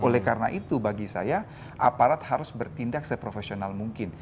oleh karena itu bagi saya aparat harus bertindak seprofesional mungkin